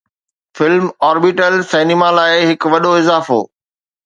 فلم-orbital cinema لاء هڪ وڏو اضافو